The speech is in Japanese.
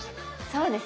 そうですね。